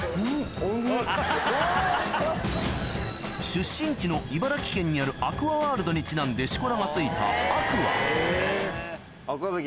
出身地の茨城県にあるアクアワールドにちなんでしこ名が付いた天空海天空海関。